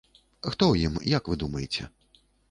Хто ў ім, як вы думаеце?